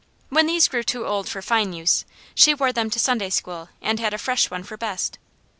When these grew too old for fine use, she wore them to Sunday school and had a fresh one for best.